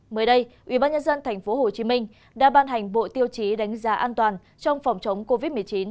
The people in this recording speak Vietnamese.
mới đây ubnd tp hcm đã ban hành bộ tiêu chí đánh giá an toàn trong phòng chống covid một mươi chín